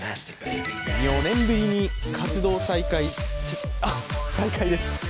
４年ぶりに活動再開です。